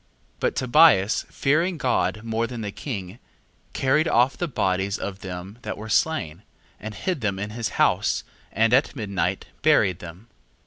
2:9. But Tobias fearing God more than the king, carried off the bodies of them that were slain, and hid them in his house, and at midnight buried them.